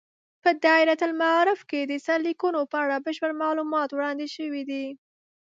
په دایرة المعارف کې د سرلیکونو په اړه بشپړ معلومات وړاندې شوي دي.